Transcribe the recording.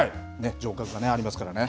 城郭もありますからね。